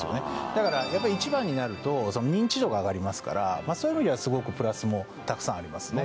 だからやっぱ１番になると認知度が上がりますからそういう意味ではスゴくプラスもたくさんありますね